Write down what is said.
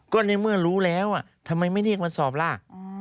ก็ในเมื่อรู้แล้วทำไมไม่เรียกมาสอบล่ะ